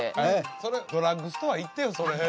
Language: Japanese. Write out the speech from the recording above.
それドラッグストア行ってよ。